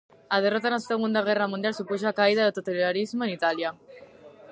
A derrota na segunda guerra mundial supuxo a caída do totalitarismo en Italia.